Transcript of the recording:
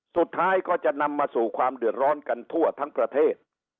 สุดท้ายก็จะนำมาสู่ความเดือดร้อนกันทั่วทั้งประเทศ